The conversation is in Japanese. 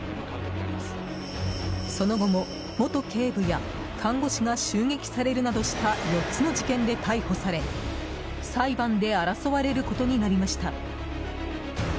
その後も元警部や看護師が襲撃されるなどした４つの事件で逮捕され裁判で争われることになりました。